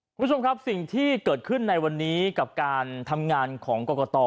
คุณผู้ชมครับสิ่งที่เกิดขึ้นในวันนี้กับการทำงานของกรกต